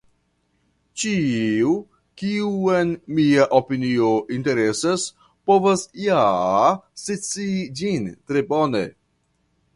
Ĉiu, kiun mia opinio interesas, povas ja scii ĝin tre bone.